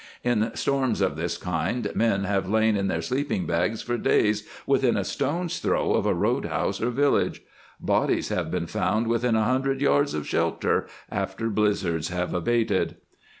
In storms of this kind men have lain in their sleeping bags for days within a stone's throw of a roadhouse or village. Bodies have been found within a hundred yards of shelter after blizzards have abated.